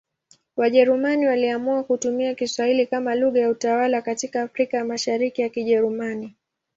Wajerumani waliamua kutumia Kiswahili kama lugha ya utawala katika Afrika ya Mashariki ya Kijerumani.